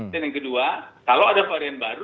dan yang kedua kalau ada varian baru